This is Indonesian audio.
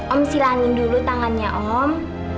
om silangin dulu tangannya om om